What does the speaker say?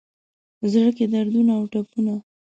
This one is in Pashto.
زړه کي دردونو اوټپونو،